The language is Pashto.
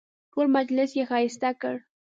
ټول مجلس یې ښایسته کړ.